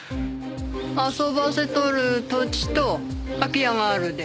遊ばせとる土地と空き家があるで。